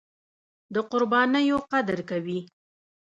د قربانیو قدر کوي.